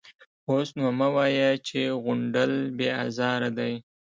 _اوس نو مه وايه چې غونډل بې ازاره دی.